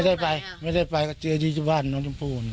แต่ไม่ได้ไปเจอ๒๐วันลุงพล